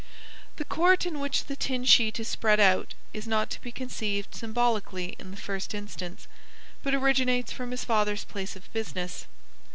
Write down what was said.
The court in which the tin sheet is spread out is not to be conceived symbolically in the first instance, but originates from his father's place of business.